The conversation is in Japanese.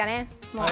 もう。